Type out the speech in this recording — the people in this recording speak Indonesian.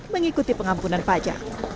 mengikuti pengampunan pajak